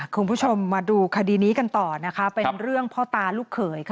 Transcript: คุณผู้ชมมาดูคดีนี้กันต่อนะคะเป็นเรื่องพ่อตาลูกเขยค่ะ